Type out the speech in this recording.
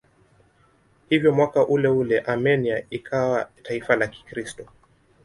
Hivyo mwaka uleule Armenia ikawa taifa la Kikristo.